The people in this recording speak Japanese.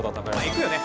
いくよね。